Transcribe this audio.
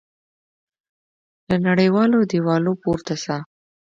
له نړېدلو دیوالو پورته سه